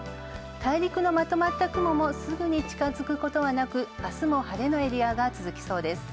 大陸のまとまった雲も、すぐに近づくことはなく、明日も晴れのエリアが続く見込みです。